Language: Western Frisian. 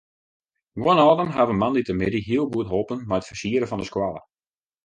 Guon âlden hawwe moandeitemiddei hiel goed holpen mei it fersieren fan de skoalle.